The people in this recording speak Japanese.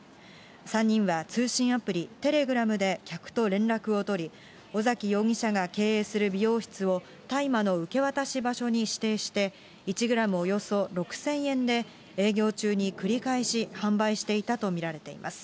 ３人は通信アプリ、テレグラムで客と連絡を取り、尾崎容疑者が経営する美容室を大麻の受け渡し場所に指定して、１グラムおよそ６０００円で、営業中に繰り返し販売していたと見られています。